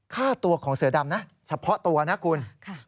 ค่าตัวของเสือดำนะเฉพาะตัวนะคุณ